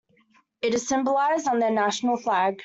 It is symbolised on their national flag.